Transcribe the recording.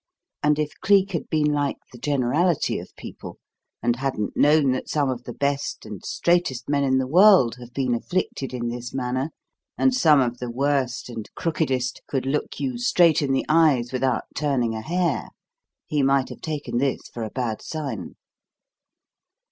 And if Cleek had been like the generality of people, and hadn't known that some of the best and "straightest" men in the world have been afflicted in this manner, and some of the worst and "crookedest" could look you straight in the eyes without turning a hair, he might have taken this for a bad sign.